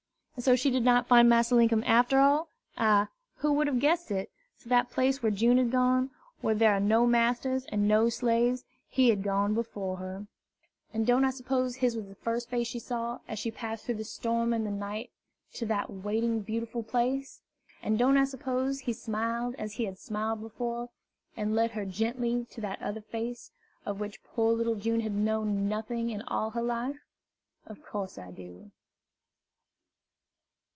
And so she did not find Massa Linkum after all? Ah! who would have guessed it? To that place where June had gone, where there are no masters and no slaves, he had gone before her. And don't I suppose his was the first face she saw, as she passed through the storm and the night to that waiting, beautiful place? And don't I suppose he smiled as he had smiled before, and led her gently to that other Face, of which poor little June had known nothing in all her life? Of course I do.